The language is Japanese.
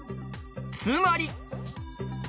つまり。